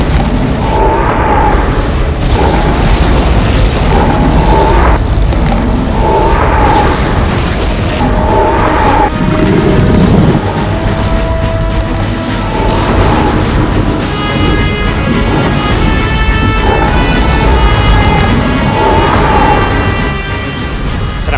penaga puspa tingkat terakhir